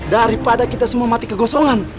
daripada kita semua mati kegosongan